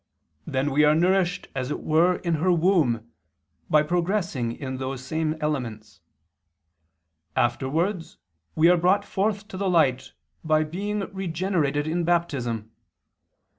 Then we are nourished as it were in her womb, by progressing in those same elements. Afterwards we are brought forth to the light by being regenerated in baptism.